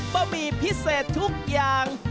๒บ้าบีพิเศษทุกอย่าง